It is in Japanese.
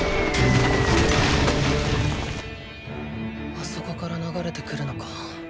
あそこから流れてくるのか。